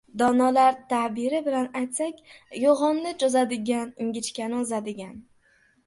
Donolar ta’biri bilan aytsak, «yo‘g‘onni cho‘zadigan, ingichkani uzadigan»